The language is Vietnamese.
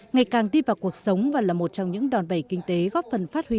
ngày càng tiếp vào cuộc sống và là một trong những đòn vẩy kinh tế góp phần phát huy